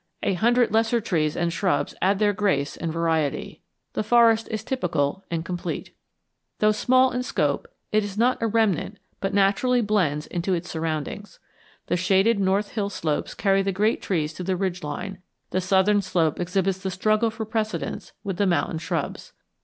A hundred lesser trees and shrubs add their grace and variety. The forest is typical and complete. Though small in scope it is not a remnant but naturally blends into its surroundings. The shaded north hill slopes carry the great trees to the ridge line; the southern slope exhibits the struggle for precedence with the mountain shrubs.